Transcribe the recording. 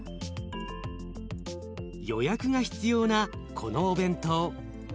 予約が必要なこのお弁当。